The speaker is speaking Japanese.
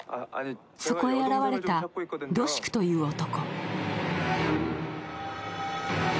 そこへ現れたドシクという男。